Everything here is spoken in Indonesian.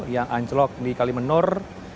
yang anjlok di kalimenur